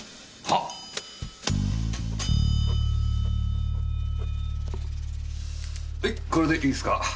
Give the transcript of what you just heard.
はいこれでいいですか。